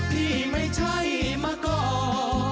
พี่ไม่ใช่มะกอก